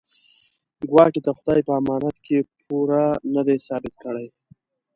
ګواکې د خدای په امانت کې پوره نه دی ثابت کړی.